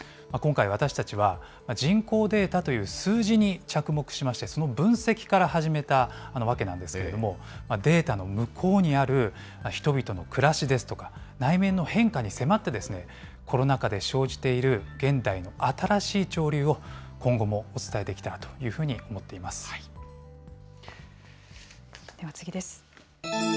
今回、私たちは人口データという数字に着目しまして、その分析から始めたわけなんですけれども、データの向こうにある人々の暮らしですとか、内面の変化に迫って、コロナ禍で生じている現代の新しい潮流を今後もお伝えできたらとでは次です。